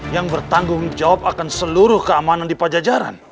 yang bertanggung jawab akan seluruh keamanan di pajajaran